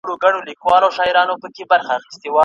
نور به د پېغلوټو د لونګ خبري نه کوو